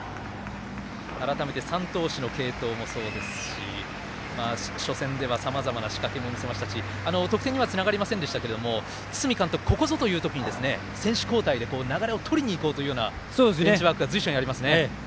改めて３投手の継投もそうですし初戦では、さまざまな仕掛けも見せましたし得点にはつながりませんでしたが堤監督、ここぞという時に選手交代で流れをとりにいこうというようなベンチワークが随所にありますね。